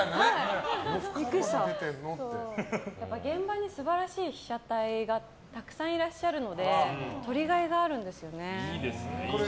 現場に素晴らしい被写体がたくさんいらっしゃるので撮りがいがあるんですよね。